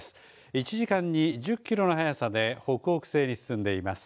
１時間に１０キロの速さで北北西に進んでいます。